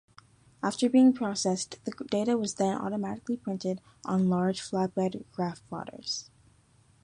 After being processed, the data was then automatically printed on large flatbed graph-plotters.